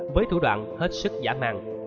với thủ đoạn hết sức giả màn